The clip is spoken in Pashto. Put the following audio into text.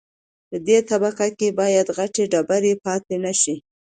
په دې طبقه کې باید غټې ډبرې پاتې نشي